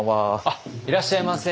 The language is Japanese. あっいらっしゃいませ。